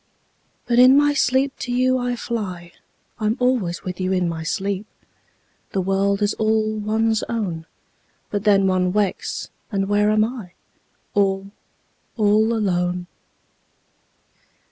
5 But in my sleep to you I fly: I'm always with you in my sleep! The world is all one's own. But then one wakes, and where am I? All, all alone.